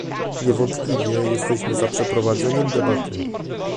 Niewątpliwie jesteśmy za przeprowadzeniem debaty